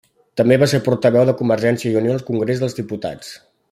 També va ser portaveu de Convergència i Unió al Congrés dels Diputats.